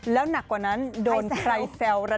แล้วหนักกว่านั้นโดนใครแซวระ